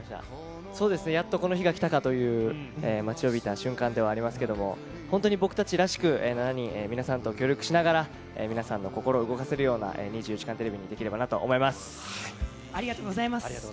やっとこの日が来たかという、待ちわびた瞬間ではありますけども、本当に僕たちらしく、７人皆さんと協力しながら、皆さんの心を動かせるような２４時間テレビにできればなと思いまありがとうございます。